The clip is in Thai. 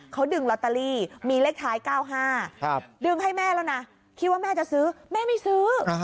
เขาดึงลอตเตอรี่มีเลขท้าย๙๕ดึงให้แม่แล้วนะคิดว่าแม่จะซื้อแม่ไม่ซื้อ